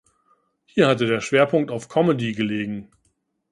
Hier hatte der Schwerpunkt auf Comedy gelegen.